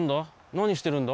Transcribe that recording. なにしてるんだ？